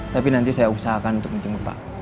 tapi nanti saya usahakan untuk menjenguk pak